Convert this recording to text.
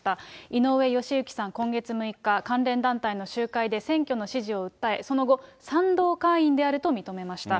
井上義行さん、今月６日、関連団体の集会で選挙の支持を訴え、その後、賛同会員であると認めました。